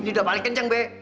ini udah balik kenceng be